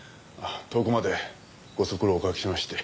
遠くまでご足労をおかけしまして。